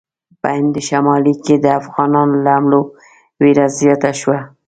په هند شمال کې د افغانانو له حملو وېره زیاته شوه.